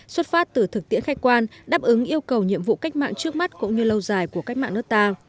xuất phát từ thực tiễn khách quan đáp ứng yêu cầu nhiệm vụ cách mạng trước mắt cũng như lâu dài của cách mạng nước ta